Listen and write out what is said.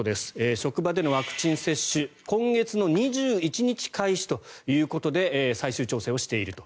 職場でのワクチン接種今月２１日開始ということで最終調整をしていると。